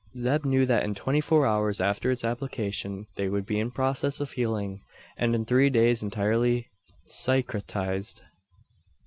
Zeb knew that in twenty four hours after its application, they would be in process of healing; and in three days, entirely cicatrised.